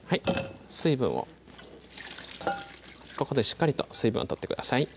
水分をここでしっかりと水分を取ってください